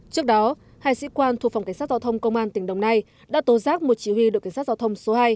trước đó hai sĩ quan thuộc phòng cảnh sát giao thông công an tỉnh đồng nai đã tố giác một chỉ huy đội cảnh sát giao thông số hai